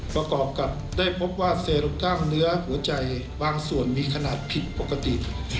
ประกอบกับได้พบว่าเซลกล้ามเนื้อหัวใจบางส่วนมีขนาดผิดปกติ